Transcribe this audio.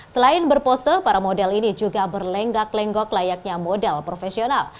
selain berpose para model ini juga berlenggak lenggok layaknya model profesional